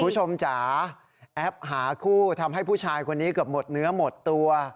จ๋าแอปหาคู่ทำให้ผู้ชายคนนี้เกือบหมดเนื้อหมดตัว